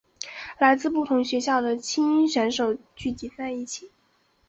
来自不同学校的菁英选手聚集在一起。